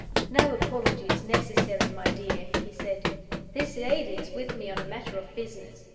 "No apology is necessary, my dear," he said. "This lady is with me on a matter of business.